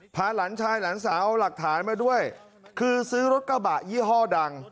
หลานชายหลานสาวเอาหลักฐานมาด้วยคือซื้อรถกระบะยี่ห้อดัง